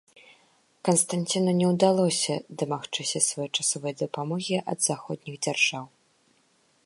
Канстанціну не ўдалося дамагчыся своечасовай дапамогі ад заходніх дзяржаў.